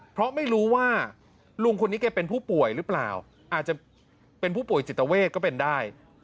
เพราะไม่รู้ว่าลุงคนนี้แกเป็นผู้ป่วยหรือเปล่าอาจจะเป็นผู้ป่วยจิตเวทก็เป็นได้